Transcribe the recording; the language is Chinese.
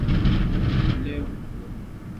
境内有旅游景点谷窝普熔洞。